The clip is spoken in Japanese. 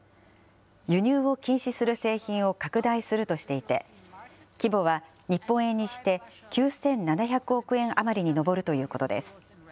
輸入を禁止する製品を拡大するとしていて、規模は日本円にして９７００億円余りに上るということです。